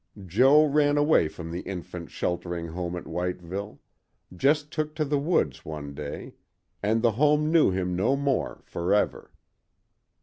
Jo ran away from the Infants' Sheltering Home at Whiteville—just took to the woods one day, and the Home knew him no more forever.